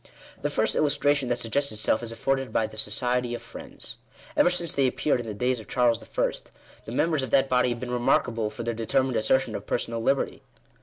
The first illustration that suggests itself is afforded by the Society of Friends. Ever since they appeared in the days of Charles I., the members of that body have been remarkable for their determined assertion of personal liberty.